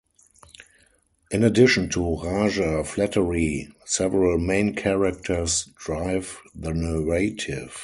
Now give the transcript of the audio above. In addition to Raja Flattery, several main characters drive the narrative.